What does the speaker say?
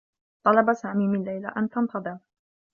طلب سامي من ليلى أن تنتظر.